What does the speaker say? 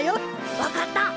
わかった！